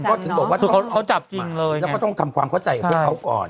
เขาจับจริงเลยไงแล้วก็ต้องทำความเข้าใจกับพวกเขาก่อน